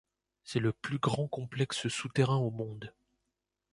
C'est le plus grand complexe souterrain au monde.